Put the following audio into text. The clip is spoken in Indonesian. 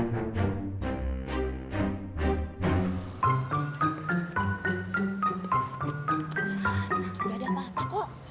tidak ada apa apa kok